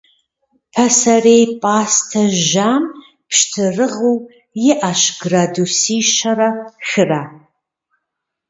Пасэрей пӏастэ жьам пщтырагъыу иӏэщ градуси щэрэ хырэ.